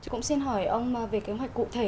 cũng xin hỏi ông về kế hoạch cụ thể